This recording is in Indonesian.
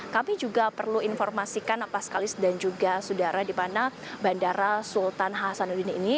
kami juga perlu informasikan paskalis dan juga saudara di mana bandara sultan hasanuddin ini